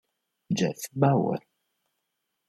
Jeff Bower